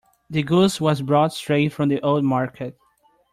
The goose was brought straight from the old market.